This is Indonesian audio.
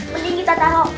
mending kita taruh